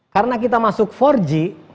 karena kita masuk empat g